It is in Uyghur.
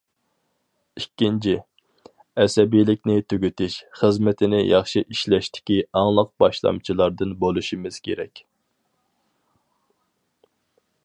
ئىككىنچى،« ئەسەبىيلىكنى تۈگىتىش» خىزمىتىنى ياخشى ئىشلەشتىكى ئاڭلىق باشلامچىلاردىن بولۇشىمىز كېرەك.